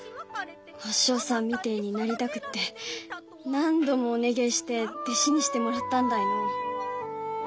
お師匠さんみてえになりたくって何度もお願えして弟子にしてもらったんだいの。